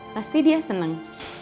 pasti dia seneng